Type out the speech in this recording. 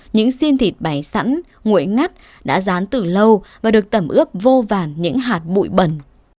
những xin thịt bày sẵn nguội ngắt đã dán từ lâu và được tẩm ướp vô vàn những hạt bụi bẩn